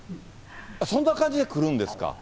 そんな感じで来るんですか？